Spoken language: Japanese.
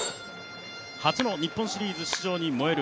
初の日本シリーズ出場の燃える